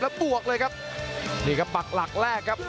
แล้วบวกเลยครับนี่ครับปักหลักแรกครับ